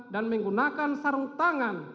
dan menggunakan sarung tangan